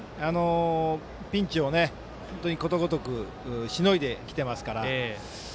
ピンチを、ことごとくしのいできてますから。